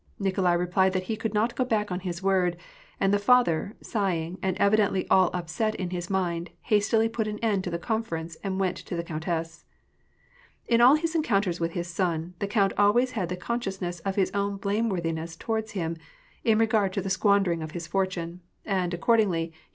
Nikolai replied that he could not go back on his word ; and the father, sighing, and evidently all upset in his mind, hastily put an end to the conference and went to the countess. In all his encounters with his son, the count always had the consciousness of his own blameworthiness toward him, in re gard to the squandering of his fortune ] and, accordingly, he 304 WAR AND PEACE.